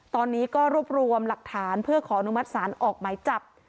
ตอนนี้ก็รวบรวมหลักฐานเพื่อขออนุมัติศาลออกหมายจับ